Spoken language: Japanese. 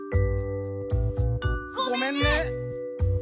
ごめんね！